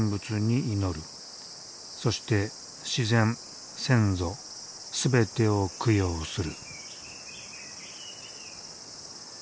そして自然先祖全てを供養する。